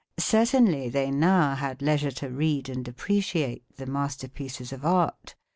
Certainly they now had leisure to read and appreciate the masterpieces of art.